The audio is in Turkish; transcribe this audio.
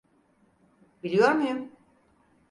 Biliyor muyum?